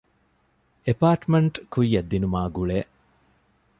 އެޕާޓްމަންޓް ކުއްޔަށް ދިނުމާ ގުޅޭ